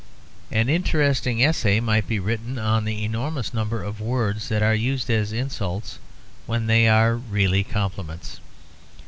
An interesting essay might be written on the enormous number of words that are used as insults when they are really compliments.